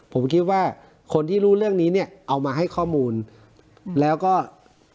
ผมคิดว่าคนที่รู้เรื่องนี้เนี่ยเอามาให้ข้อมูลแล้วก็